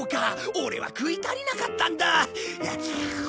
オレは食い足りなかったんだ！